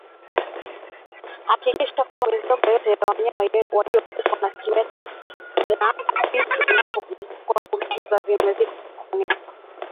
Hakikisha kwamba mizoga yoyote ya wanyama waliokufa kwa kimeta na vitu vilivyoambukizwa vinazikwa vinafukiwa